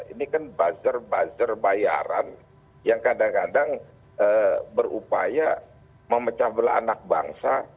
ini kan buzzer buzzer bayaran yang kadang kadang berupaya memecah belah anak bangsa